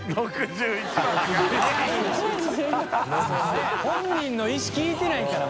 いや本人の意思聞いてないから！